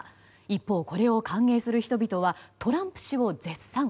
一方、これを歓迎する人々はトランプ氏を絶賛。